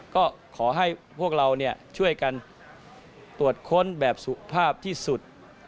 ก็ขอให้พวกเราช่วยกันตรวจค้นแบบสุภาพที่สุด